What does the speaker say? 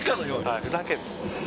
はい「ふざけんな」と。